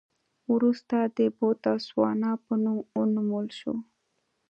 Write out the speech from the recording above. وروسته د بوتسوانا په نوم ونومول شول.